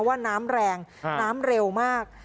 ว่าน้ำแรงน้ำเร็วมาก